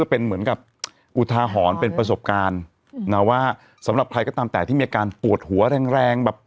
เพื่อถะหอนเป็นประสบการณ์ว่าสำหรับใครก็ตามแต่ที่มีอาการตวดหัวแรง